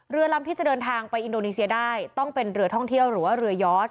เรือลำที่จะเดินทางไปอินโดนีเซียได้ต้องเป็นเรือท่องเที่ยวหรือว่าเรือยอด